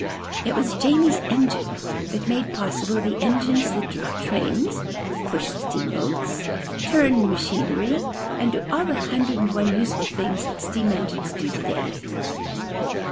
It was Jamie's engine that made possible the engines that draw trains, push steam boats, turn machinery, and do all the hundred and one useful things that steam engines do today.